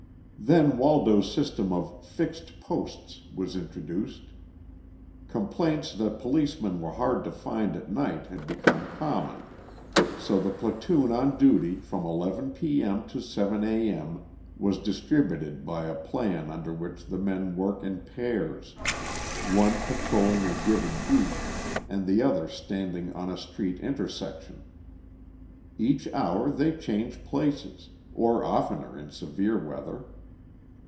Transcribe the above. Then Waldo's system of "fixed posts" was introduced. Complaints that policemen were hard to find at night had become common. So the platoon on duty from 11 p. m. to 7 a. m. was distributed by a plan under which the men work in pairs, one patrolling a given beat and the other standing on a street intersection. Each hour they change places, or oftener in severe weather.